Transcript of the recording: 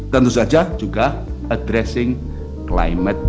tentu saja juga addressing climate change